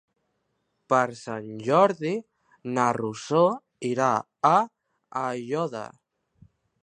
Per Sant Jordi na Rosó irà a Aiòder.